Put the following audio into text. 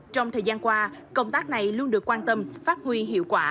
trong thời gian qua công tác này luôn được quan tâm phát huy hiệu quả